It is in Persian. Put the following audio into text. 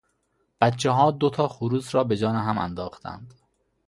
بچهها دو تا خروس را به جان هم انداختند.